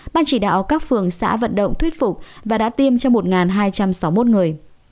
ban chỉ đạo các phường xã vận động thuyết phục và đã tiêm cho một hai trăm sáu mươi một người